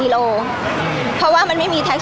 พี่ตอบได้แค่นี้จริงค่ะ